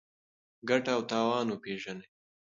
ګټه او تاوان وپېژنئ.